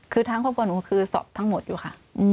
คือทางครอบครัวหนูคือสอบทั้งหมดอยู่ค่ะ